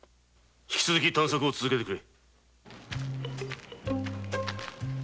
引き続き探索をしてくれ！